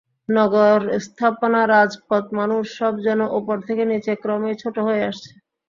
নগর স্থাপনা, রাজপথ, মানুষ—সব যেন ওপর থেকে নিচে ক্রমেই ছোট হয়ে আসছে।